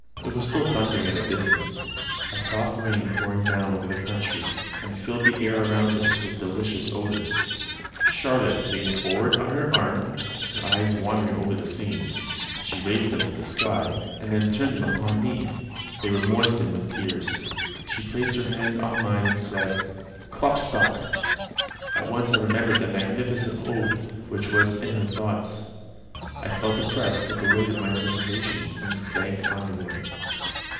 It was still thundering at a distance: a soft rain was pouring down over the country, and filled the air around us with delicious odours. Charlotte leaned forward on her arm; her eyes wandered over the scene; she raised them to the sky, and then turned them upon me; they were moistened with tears; she placed her hand on mine and said, "Klopstock!" at once I remembered the magnificent ode which was in her thoughts: I felt oppressed with the weight of my sensations, and sank under them.